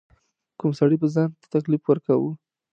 کم سړي به ځان ته تکلیف ورکاوه.